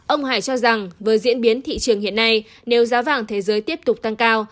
ông hải cho rằng với diễn biến thị trường hiện nay nếu giá vàng thế giới tiếp tục tăng cao